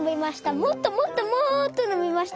もっともっともっとのびました。